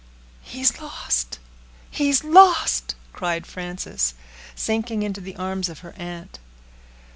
"He's lost, he's lost!" cried Frances, sinking into the arms of her aunt.